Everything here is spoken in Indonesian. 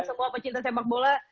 semua pecinta sepak bola